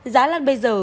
giá lan bây giờ